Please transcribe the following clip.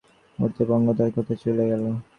মূহূর্তে আমার পঙ্গুতা কোথায় চলিয়া গেল।